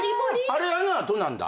あれあの後なんだ。